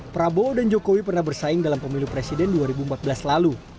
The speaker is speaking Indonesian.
prabowo dan jokowi pernah bersaing dalam pemilu presiden dua ribu empat belas lalu